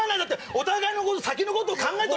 お互いの先のこと考えて。